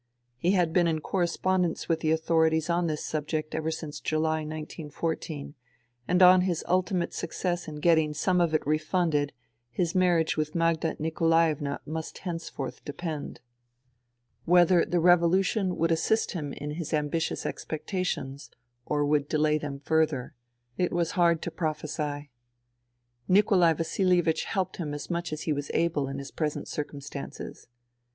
He had been in correspondence with the authorities on this subject ever since July, 1914, and on his ultimate success in getting some of it refunded his marriage with Magda Nikolaevna must henceforth depend. Whether the revolution would 94 FUTILITY assist him in his ambitious expectations, or would delay them further, it was hard to prophesy. Nikolai Vasilievich helped him as much as he was able in his present circumstances.